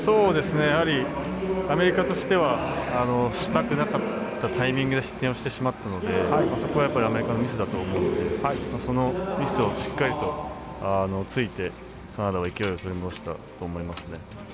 やはり、アメリカとしてはしたくなかったタイミングで失点をしてしまったのでそこはアメリカのミスだと思うのでそのミスをしっかりとついてカナダは勢いを取り戻したと思いますね。